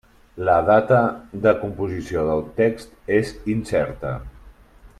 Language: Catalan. La data de composició del text és incerta.